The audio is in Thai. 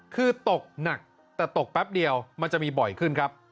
คือตกหนักแต่ตกแป๊บเดียวมันจะมีบ่อยขึ้นครับ